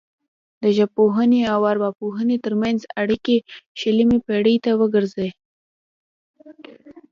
د ژبپوهنې او ارواپوهنې ترمنځ اړیکې شلمې پیړۍ ته ورګرځي